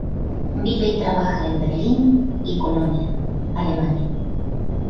Vive y trabaja en Berlín y Colonia, Alemania.